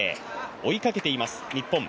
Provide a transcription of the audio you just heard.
追いかけています、日本。